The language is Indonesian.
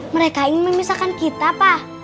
mereka ingin memisahkan kita pak